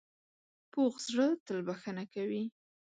پوخ زړه تل بښنه کوي